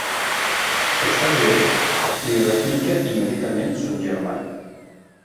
“Estàs bé?” li replica immediatament son germà.